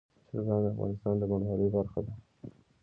چرګان د افغانستان د بڼوالۍ برخه ده.